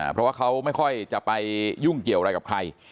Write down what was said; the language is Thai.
เพราะว่าเขาไม่ค่อยจะไปยุ่งเกี่ยวอะไรกับใคร